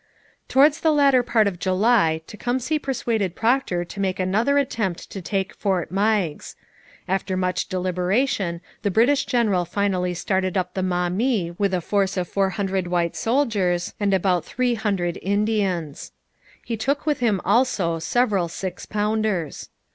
Towards the latter part of July Tecumseh persuaded Procter to make another attempt to take Fort Meigs. After much deliberation the British general finally started up the Maumee with a force of four hundred white soldiers and about three hundred Indians. He took with him also several six pounders.